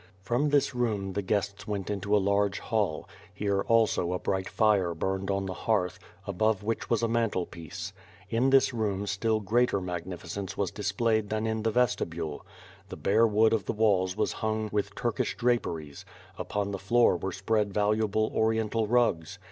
From this room the guests went into a large hall; here also a bright fire burned on the hearth, above which was a mantel piece. In this room still greater magnificence was displayed than in the vestibule. The bare wood of the walls was hung with Turkish draperies; upon the floor were spread valuable Oriental rugs.